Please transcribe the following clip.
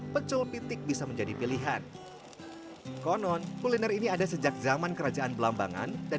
pecel pitik bisa menjadi pilihan konon kuliner ini ada sejak zaman kerajaan belambangan dan